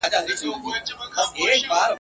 له یخنیه دي بې واکه دي لاسونه !.